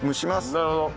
なるほど。